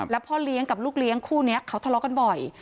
แล้วพ่อเลี้ยงกับลูกเลี้ยงคู่นี้เขาทะเลาะกันบ่อย